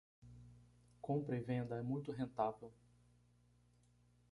Compra e venda é muito rentável